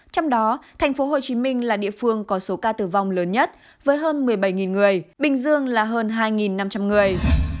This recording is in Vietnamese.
trong đó tp hcm là địa phương có số ca tử vong lớn nhất với hơn một mươi bảy người bình dương là hơn hai năm trăm linh người